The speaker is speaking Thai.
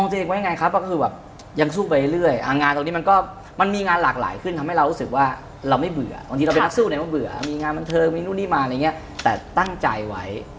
เธอนี่นู่นนี่มาอะไรอย่างเงี้ยแต่ตั้งใจไว้